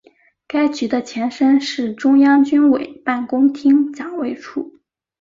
该局的前身是中央军委办公厅警卫处。